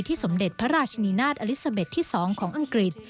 สมเด็จพระราชนีนาฏอลิซาเบ็ดที่๒ของอังกฤษ